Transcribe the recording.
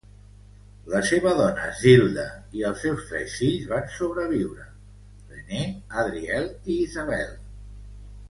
La seva dona, Zilda, i els seus tres fills van sobreviure: Rene, Adrielle i Isabel.